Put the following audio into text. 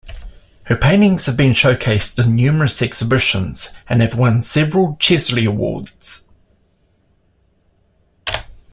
Her paintings have been showcased in numerous exhibitions and have won several Chesley awards.